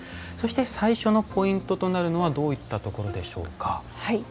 そして最初のポイントとなるのはどういったところでしょうか？